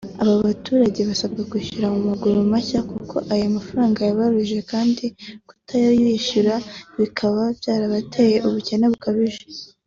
Aba baturage basaba kwishyurwa mu maguru mashya kuko ayo mafaranga yabaruhije kandi kutabishyura bikaba byarabateye ubukene bukabije